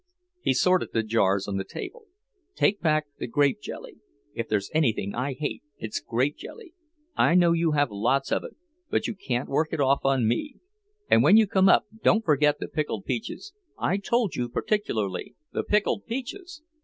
He sorted the jars on the table. "Take back the grape jelly. If there's anything I hate, it's grape jelly. I know you have lots of it, but you can't work it off on me. And when you come up, don't forget the pickled peaches. I told you particularly, the pickled peaches!"